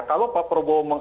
kalau pak prabowo